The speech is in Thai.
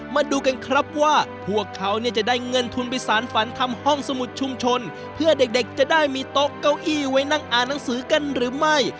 มาดูกันครับว่าพวกเขาเนี่ยจะได้เงินทุนไปสารฝันทำห้องสมุดชุมชนเพื่อเด็กจะได้มีโต๊ะเก้าอี้ไว้นั่งอ่านหนังสือกันหรือไม่